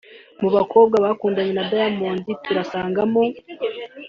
Mu bakobwa bakundanye na Diamond turasangamo